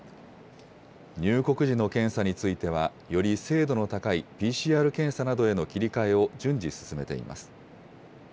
入国時の検査については、より精度の高いＰＣＲ検査などへの切り替えを順次進めています。